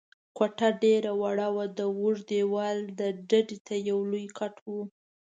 کوټه ډېره وړه وه، د اوږد دېوال ډډې ته یو لوی کټ و.